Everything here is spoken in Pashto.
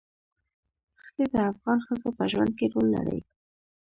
ښتې د افغان ښځو په ژوند کې رول لري.